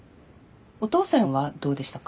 お父さんはどうでしたか？